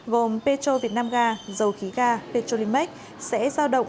gồm petro việt nam ga dầu khí ga petro limac sẽ giao động